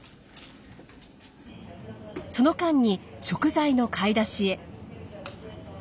その間に食材の買い出しへ。